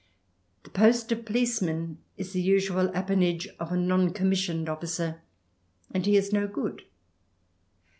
The post of policeman is the usual appanage of a non com missioned officer, and he is no good.